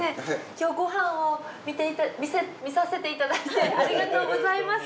今日ご飯を見させていただいてありがとうございます。